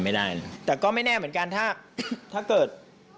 ไม่ได้แต่ก็ไม่แน่เหมือนกันถ้าเกิด